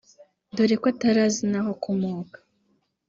dore ko atari azi naho akomoka